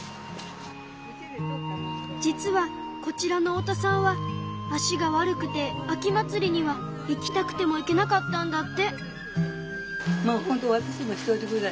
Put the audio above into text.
実はこちらの太田さんは足が悪くて秋祭りには行きたくても行けなかったんだって。